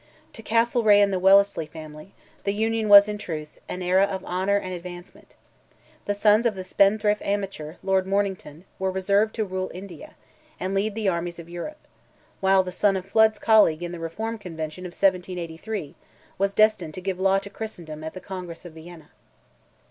To Castlereagh and the Wellesley family, the Union was in truth, an era of honour and advancement. The sons of the spendthrift amateur, Lord Mornington, were reserved to rule India, and lead the armies of Europe; while the son of Flood's colleague in the Reform convention of 1783, was destined to give law to Christendom, at the Congress of Vienna.